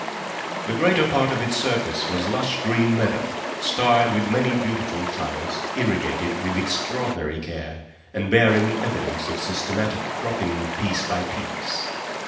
The greater part of its surface was lush green meadow, starred with many beautiful flowers, irrigated with extraordinary care, and bearing evidence of systematic cropping piece by piece.